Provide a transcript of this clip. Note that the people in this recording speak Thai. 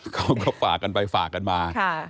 เขาก็ฝากกันไปฝากกันมา